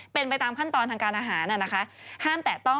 เป็นไปตามขั้นตอนทางการอาหาร